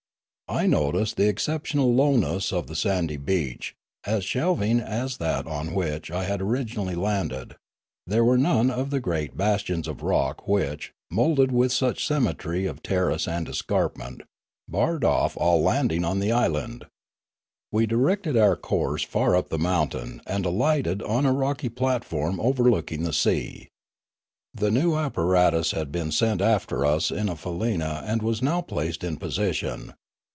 I noticed the exceptional lowness of the sandy beach, as shelving as that on which I had originally landed ; there were none of the great bastions of rock which, moulded with such symmetry of terrace and escarpment, barred off all landing on the island. We directed our course far up the mountain and alighted on a rocky platform overlooking the sea. The new apparatus had been sent after us in a faleena and was now placed in position.